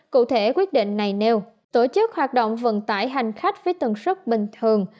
cụ thể quyết định này nêu tổ chức hoạt động vận tải hành khách với tầng sức bình thường